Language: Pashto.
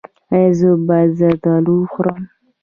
ایا زه باید زردالو وخورم؟